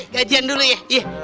gajian dulu ya